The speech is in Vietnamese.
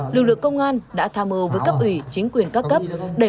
lực lượng công an đã tham mưu với cấp ủy chính quyền các cấp